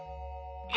え